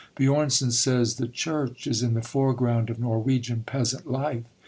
Björnson says, "The church is in the foreground of Norwegian peasant life."